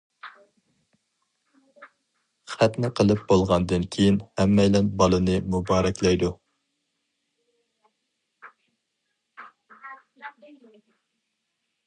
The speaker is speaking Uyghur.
خەتنە قىلىپ بولغاندىن كېيىن ھەممەيلەن بالىنى مۇبارەكلەيدۇ.